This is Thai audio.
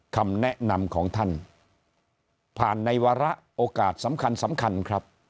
คำแนะนำของท่านผ่านในวาระโอกาสสำคัญสำคัญครับ